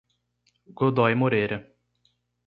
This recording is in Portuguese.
Godoy Moreira